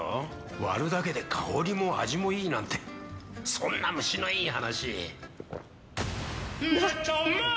割るだけで香りも味もいいなんてそんな虫のいい話。